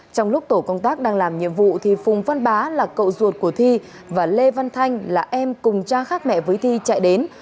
trong lúc tổ công tác đang làm nhiệm vụ phùng văn bá là cậu ruột của thi và lê văn thanh là em cùng cha khác mẹ với thi chạy đến